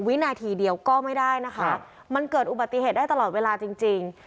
วินาทีเดียวก็ไม่ได้นะคะมันเกิดอุบัติเหตุได้ตลอดเวลาจริง